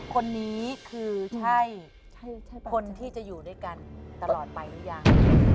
คนนี้คือใช่คนที่จะอยู่ด้วยกันตลอดไปหรือยัง